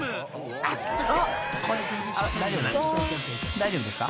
［大丈夫ですか？］